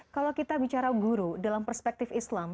kalau kita bicara guru dalam perspektif islam